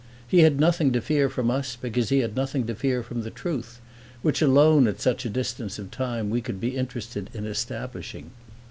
He had nothing to fear from us because he had nothing to fear from the truth, which alone at such a distance of time we could be interested in establishing.